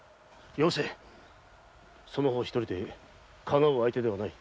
よせその方一人で敵う相手ではない。